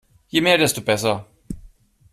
Je mehr, desto besser.